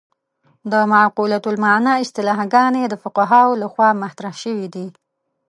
د معقولة المعنی اصطلاحګانې د فقهاوو له خوا مطرح شوې دي.